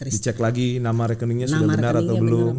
dicek lagi nama rekeningnya sudah benar atau belum